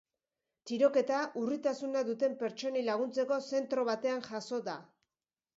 Tiroketa urritasuna duten pertsonei laguntzeko zentro batean jazo da.